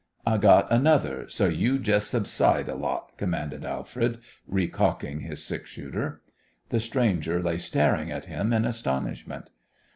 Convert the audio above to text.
"I got another, so you just subside a lot," commanded Alfred, recocking his six shooter. The stranger lay staring at him in astonishment.